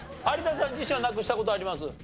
有田さん自身はなくした事あります？